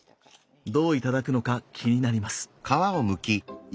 どう頂くのか気になります。